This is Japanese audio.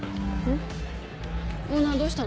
ん？